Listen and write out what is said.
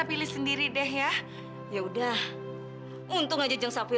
perut aku perih